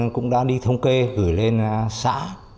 cũng đã đi thông kê gửi lên xã